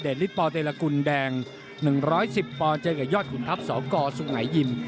เดลิตปอร์เตรลกุลแดง๑๑๐ปอร์เจนกับยอดขุนทัพ๒กสุงไหยยิม